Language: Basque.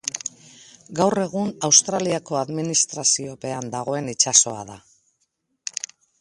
Gaur egun Australiako administraziopean dagoen itsasoa da.